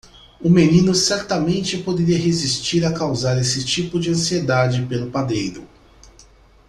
O menino certamente poderia resistir a causar esse tipo de ansiedade pelo padeiro.